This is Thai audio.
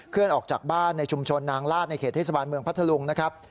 ออกจากบ้านในชุมชนนางลาดในเขตเทศบาลเมืองพัทธลุงนะครับ